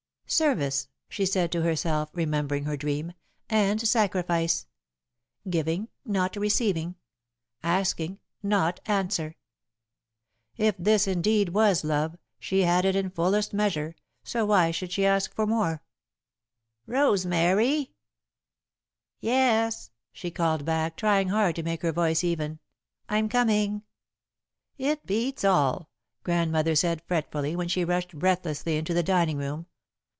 "Service," she said to herself, remembering her dream, "and sacrifice. Giving, not receiving; asking, not answer." If this indeed was love, she had it in fullest measure, so why should she ask for more? [Sidenote: Waiting for Breakfast] "Rosemary!" "Yes," she called back, trying hard to make her voice even, "I'm coming!" "It beats all," Grandmother said, fretfully, when she rushed breathlessly into the dining room.